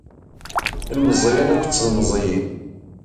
Ilemẓiuen akked tlemẓiyin.